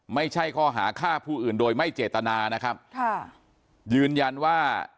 ไม่ใช่ข้อหาฆ่าผู้อื่นโดยไม่เจตนานะครับค่ะยืนยันว่า